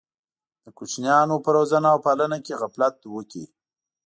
د کوچنیانو په روزنه او پالنه کې غفلت وکړي.